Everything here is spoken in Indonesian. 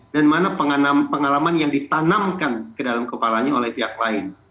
mana pengalaman yang ditanamkan ke dalam kepalanya oleh pihak lain